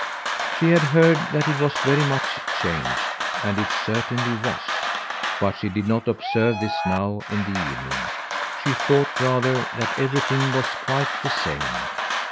She had heard that it was very much changed; and it certainly was! But she did not observe this now in the evening. She thought, rather, that everything was quite the same.